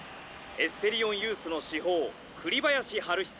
エスペリオンユースの至宝栗林晴久